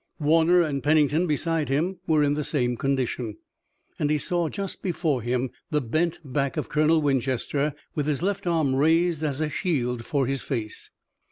Warner and Pennington beside him were in the same condition, and he saw just before him the bent back of Colonel Winchester, with his left arm raised as a shield for his face.